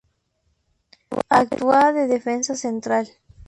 Actúa de defensa central.